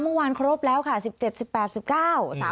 เมื่อวานครบแล้วค่ะ๑๗๑๘๑๙